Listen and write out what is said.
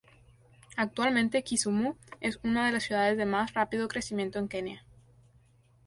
Actualmente, Kisumu es una de las ciudades de más rápido crecimiento en Kenia.